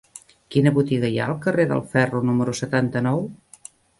Quina botiga hi ha al carrer del Ferro número setanta-nou?